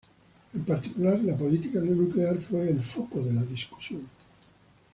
En particular, la política nuclear fue el foco de la discusión.